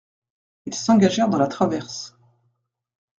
Ils s'engagèrent dans la traverse.